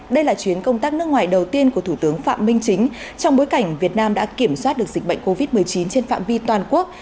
đây là chuyến công tác nước ngoài đầu tiên của thủ tướng phạm minh chính trong bối cảnh việt nam đã kiểm soát được dịch bệnh covid một mươi chín trên phạm vi toàn quốc